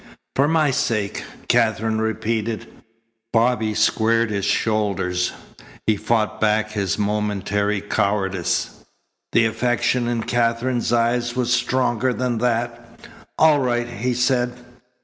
"For my sake," Katherine repeated. Bobby squared his shoulders. He fought back his momentary cowardice. The affection in Katherine's eyes was stronger than that. "All right," he said.